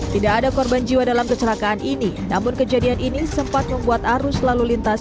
tidak ada korban jiwa dalam kecelakaan ini namun kejadian ini sempat membuat arus lalu lintas